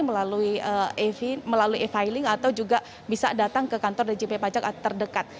melalui e filing atau juga bisa datang ke kantor djp pajak terdekat